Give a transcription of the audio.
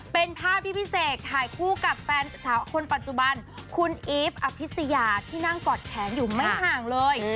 เป็นภาพที่พี่เสกถ่ายคู่กับแฟนสาวคนปัจจุบันคุณอีฟอภิษยาที่นั่งกอดแขนอยู่ไม่ห่างเลย